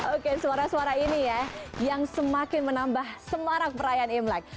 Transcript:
oke suara suara ini ya yang semakin menambah semarak perayaan imlek